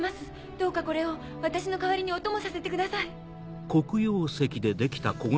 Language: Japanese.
どうかこれを私の代わりにお供させてください。